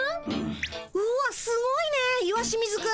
うわっすごいね石清水くん。